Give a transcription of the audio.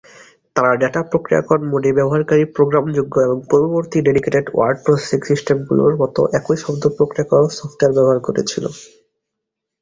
তারা ডেটা-প্রক্রিয়াকরণ মোডে ব্যবহারকারী-প্রোগ্রামযোগ্য এবং পূর্ববর্তী ডেডিকেটেড ওয়ার্ড প্রসেসিং সিস্টেমগুলির মতো একই শব্দ প্রক্রিয়াকরণ সফ্টওয়্যার ব্যবহার করেছিল।